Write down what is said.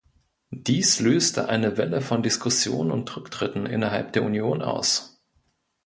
Dies löste eine Welle von Diskussionen und Rücktritten innerhalb der Union aus.